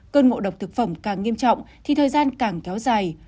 cơn ngộ độc thực phẩm càng nghiêm trọng thì thời gian càng kéo dài